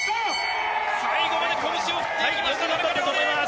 最後まで拳を振っていきます。